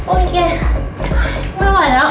โอ้ยเก่ยไม่ไหวแล้ว